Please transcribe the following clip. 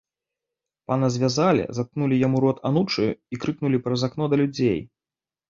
Пана звязалі, заткнулі яму рот анучаю і крыкнулі праз акно да людзей.